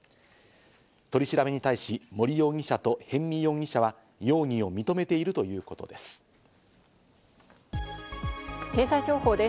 取り調べに対し、森容疑者と逸見容疑者は容疑を認めているという経済情報です。